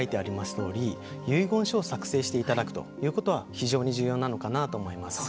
とおり遺言書を作成していただくということは非常に重要なのかなと思います。